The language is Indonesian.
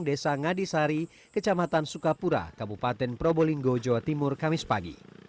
desa ngadisari kecamatan sukapura kabupaten probolinggo jawa timur kamis pagi